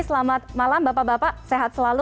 selamat malam bapak bapak sehat selalu